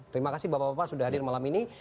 terima kasih bapak bapak sudah hadir malam ini